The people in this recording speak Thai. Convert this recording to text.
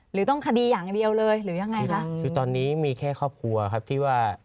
หรือต้องคดีอย่างเดียวเลยหรือยังไงคะคือตอนนี้มีแค่ครอบครัวครับที่ว่า